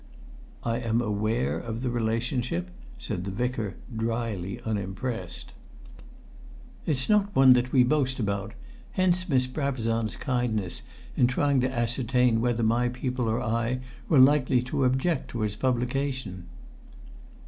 "I'm aware of the relationship," said the Vicar, dryly unimpressed. "It's not one that we boast about; hence Miss Brabazon's kindness in trying to ascertain whether my people or I were likely to object to its publication."